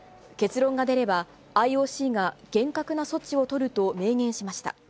結論が出れば、ＩＯＣが厳格な措置を取ると明言しました。